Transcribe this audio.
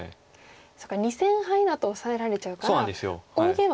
そっか２線ハイだとオサえられちゃうから大ゲイマまでいくんですね。